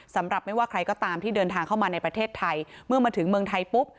สำหรับไม่ว่าใครก็ตามที่เดินทางเข้ามาในประเทศไทยเมื่อมาถึงเมืองไทยปุ๊บ